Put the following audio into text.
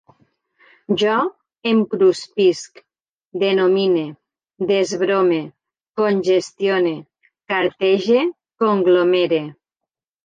Jo em cruspisc, denomine, desbrome, congestione, cartege, conglomere